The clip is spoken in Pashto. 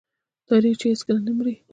تاریخ چې هیڅکله نه مري.